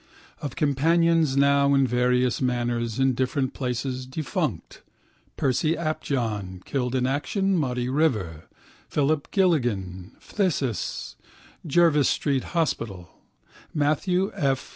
Of companions now in various manners in different places defunct: Percy Apjohn (killed in action, Modder River), Philip Gilligan (phthisis, Jervis Street hospital), Matthew F.